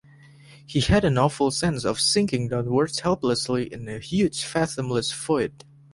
He had an awful sense of sinking downwards helplessly in the huge fathomless void.